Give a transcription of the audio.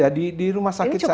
ada di rumah sakit saya